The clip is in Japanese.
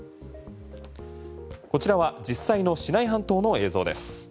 こちらは実際のシナイ半島の映像です。